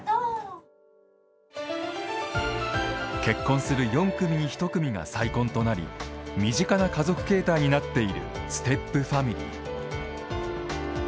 結婚する４組に１組が再婚となり身近な家族形態になっているステップファミリー。